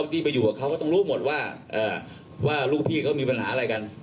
ที่ไปอยู่กับเขาก็ต้องรู้หมดว่าลูกพี่เขามีปัญหาอะไรกัน